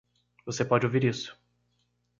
Você pode ouvir isso.